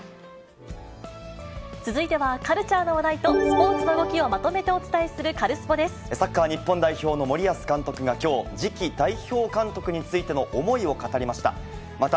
続いては、カルチャーの話題とスポーツの動きをまとめてお伝えするカルスポサッカー日本代表の森保監督がきょう、次期代表監督についての思いを語りました。